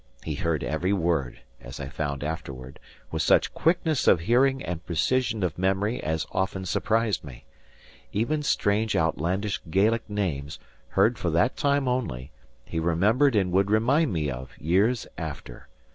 he heard every word (as I found afterward) with such quickness of hearing and precision of memory as often surprised me. Even strange outlandish Gaelic names, heard for that time only, he remembered and would remind me of, years after.